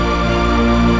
ibunya memerlukan uang